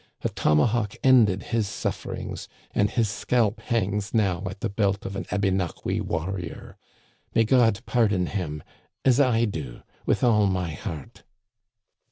A tomahawk ended his suf ferings, and his scalp hangs now at the belt of an Abéna quis warrior. May God pardon him, as I do, with all my heart